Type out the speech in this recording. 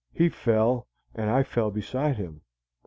He fell, and I fell beside him.